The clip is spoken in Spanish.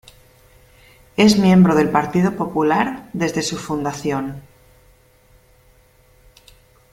Es miembro del Partido Popular desde su fundación.